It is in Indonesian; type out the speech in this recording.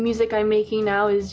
dan saya merasa seperti itu